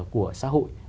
của xã hội